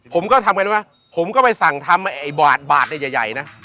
ผมก็ทำกันว่าผมก็ไปสั่งทำบาทใดบาทใดใหญ่